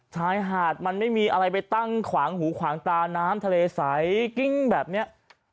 ชายหาดมันไม่มีอะไรไปตั้งขวางหูขวางตาน้ำทะเลใสกิ้งแบบเนี้ย